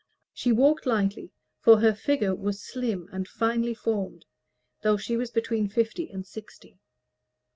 She walked lightly, for her figure was slim and finely formed, though she was between fifty and sixty.